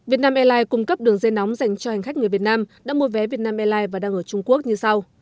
vietnam airlines cung cấp đường dây nóng dành cho hành khách người việt nam đã mua vé vietnam airlines và đang ở trung quốc như sau